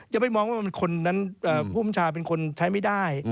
จะไปมองว่าคนนั้นภูมิชาเป็นคนใช้ไม่ได้